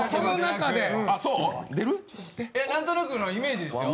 何となくのイメージですよ。